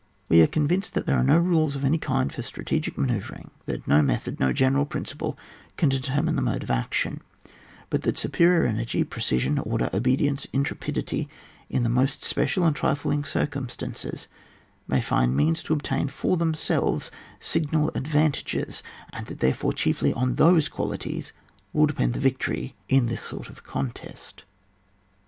We are convinced that there are no rules of any kind for strategic manoeu vring ; that no method, no general prin* ciple can determine the mode of action ; but that superior energy, precision, or der, obedience, intrepidi^^ in the most special and trifling circumstances may find means to obtain for themselves sig nal advanta, ges, and that, therefore, chiefly on those qualities will depend the victory in this sort of contest.